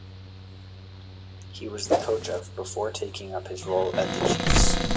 He was the coach of before taking up his role at the Chiefs.